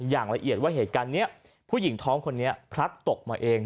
อย่างละเอียดว่าเหตุการณ์นี้ผู้หญิงท้องคนนี้พลัดตกมาเอง